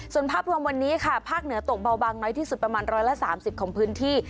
ส่วนภาพรวมวันนี้ค่ะภาคเหนือตกเบาบางน้อยที่สุดประมาณ๑๓๐ของพื้นที่